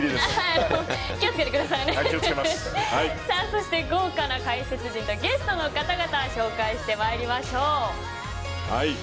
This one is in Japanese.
そして豪華な解説陣のゲストの方々ご紹介してまいりましょう。